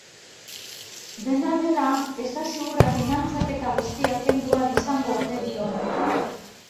Dena dela, ez da ziurra finantzaketa guztia kendu ahal izango ote dion.